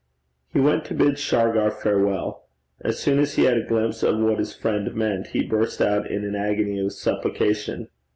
He went to bid Shargar farewell. As soon as he had a glimpse of what his friend meant, he burst out in an agony of supplication.